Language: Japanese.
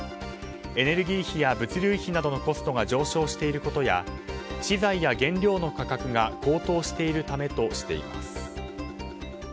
エネルギー費や物流費などのコストが上昇していることや資材や原料の価格が高騰しているためとしています。